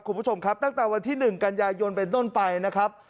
คุณผู้ชมครับตั้งแต่วันที่๑กันยายนเป็นต้นไปนะครับ